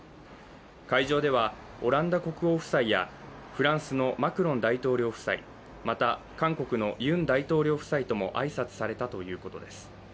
会場ではオランダ国王夫妻やフランスのマクロン大統領夫妻、また韓国のユン大統領夫妻とも挨拶されたということです。